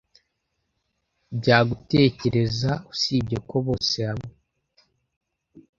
Bya gutekereza, usibye ko bose hamwe